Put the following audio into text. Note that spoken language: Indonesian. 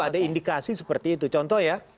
ada indikasi seperti itu contoh ya